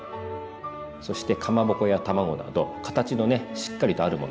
そしてかまぼこや卵など形のねしっかりとあるもの。